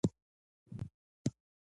ماشومان د والدینو د کرکې کړنې زده کوي.